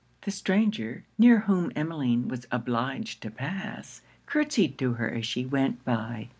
The stranger, near whom Emmeline was obliged to pass, curtsyed to her as she went by.